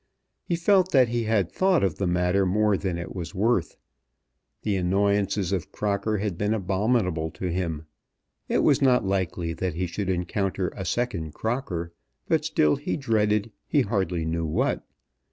He felt that he had thought of the matter more than it was worth. The annoyances of Crocker had been abominable to him. It was not likely that he should encounter a second Crocker, but still he dreaded he hardly knew what.